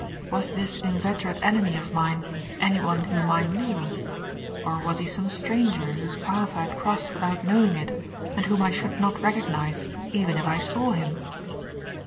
Was this inveterate enemy of mine anyone whom I knew? Or was he some stranger whose path I had crossed without knowing it, and whom I should not recognize even if I saw him?